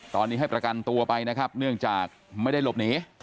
ตอนนี้ให้ประกันตัวไปนะครับเนื่องจากไม่ได้หลบหนี